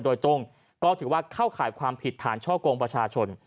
โดยตรงก็ถือว่าเข้าข่ายความผิดฐานช่อกงประชาชน